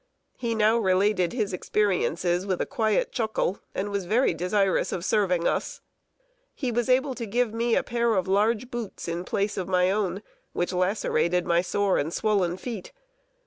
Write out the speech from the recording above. He now related his experiences with a quiet chuckle, and was very desirous of serving us. He was able to give me a pair of large boots in place of my own, which lacerated my sore and swollen feet.